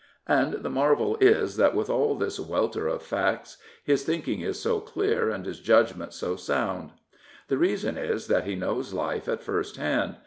And the marvel is that with all this welter of facts his thinking is so clear and his judgment so sound. The reason is that he knows life at first hand.